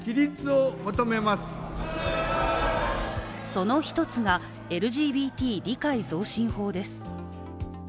その１つが、ＬＧＢＴ理解増進法です。